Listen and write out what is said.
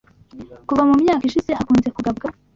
kuva mu myaka ishize hakunze kugabwa